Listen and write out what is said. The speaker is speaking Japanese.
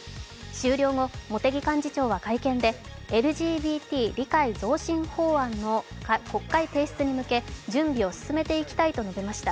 終了後、茂木幹事長は会見でＬＧＢＴ理解増進法案の国会提出へ向け準備を進めていきたいと述べました。